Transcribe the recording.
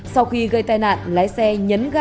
sau khi gây tai nạn lái xe nhấn ga